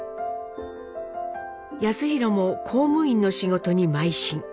康宏も公務員の仕事にまい進。